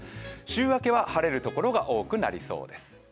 週明けは晴れるところが多くなりそうです。